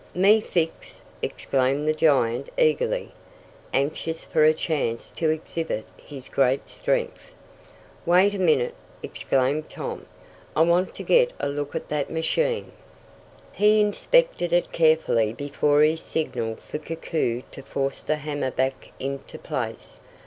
"Me fix!" exclaimed the giant eagerly, anxious for a chance to exhibit his great strength. "Wait a minute!" exclaimed Tom. "I want to get a look at that machine." He inspected it carefully before he signaled for Koku to force the hammer back into place.